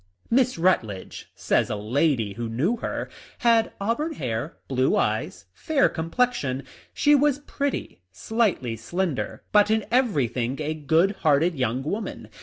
" Miss Rutledge," says a lady * who knew her, " had auburn hair, blue eyes, fair complexion. She was pretty, shghtly slender, but in everything a good hearted young woman.